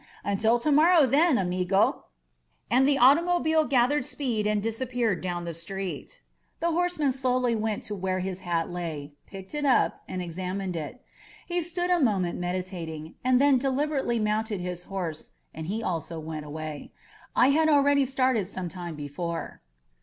Until to mor row then, amigoT* And the automobile gathered speed and disappeared down the street. The horseman slowly went to where his hat lay, picked it up and examined it. He stood a moment meditating, and then deliberately mounted his horse and he also went away. I had al ready started some time before.